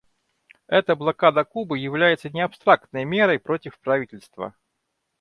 Эта блокада Кубы является не абстрактной мерой против правительства.